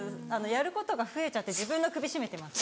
やることが増えちゃって自分の首絞めてます。